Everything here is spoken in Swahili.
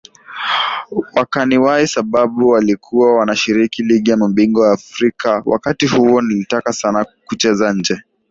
wakaniwahi sababu walikuwa wanashiriki Ligi ya Mabingwa Afrika wakati huo nilitaka sana kucheza nje